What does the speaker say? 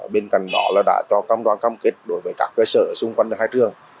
bên cạnh đó là đã cho cam đoàn cam kết đối với các cơ sở xung quanh hai trường